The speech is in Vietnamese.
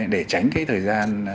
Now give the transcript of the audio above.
để tránh cái thời gian